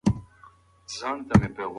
ته باید په خپلو ژمنو باندې کلک ولاړ واوسې.